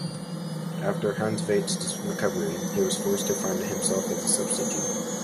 After Hanstveit's recovery, he was forced to find himself as a substitute.